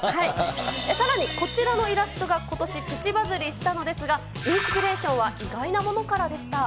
さらに、こちらのイラストが、ことしプチバズりしたのですが、インスピレーションは意外なもの